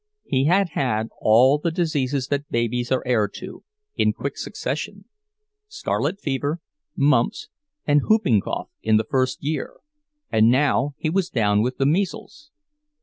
He had had all the diseases that babies are heir to, in quick succession, scarlet fever, mumps, and whooping cough in the first year, and now he was down with the measles.